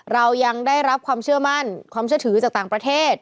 เรายังได้รับความเชื่อมั่นความเชื่อถือจากต่างประเทศ